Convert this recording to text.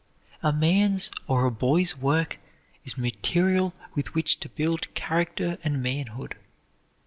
A man's or a boy's work is material with which to build character and manhood.